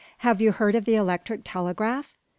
"Have you heard of the electric telegraph?"